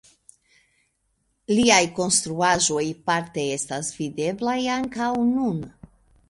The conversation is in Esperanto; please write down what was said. Liaj konstruaĵoj parte estas videblaj ankaŭ nun.